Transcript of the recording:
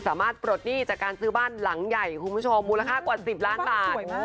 ปลดหนี้จากการซื้อบ้านหลังใหญ่คุณผู้ชมมูลค่ากว่า๑๐ล้านบาท